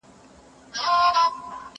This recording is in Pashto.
زه به سبا شګه پاک کړم؟